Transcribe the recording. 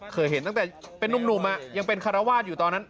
เคยเห็นตั้งแต่เป็นนุ่มยังเป็นคารวาสอยู่ตอนนั้น